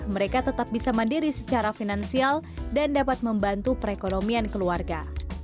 mereka tetap bisa mandiri secara finansial dan dapat membantu perekonomian keluarga